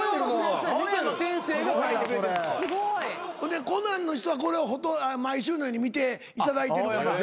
で『コナン』の人は毎週のように見ていただいてるから。